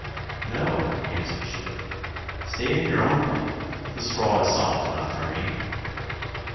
"No," answered she, "stay in your own bed, the straw is soft enough for me."